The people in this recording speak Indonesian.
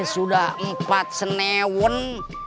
sudah empat senewen